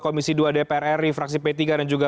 komisi dua dpr ri fraksi p tiga dan juga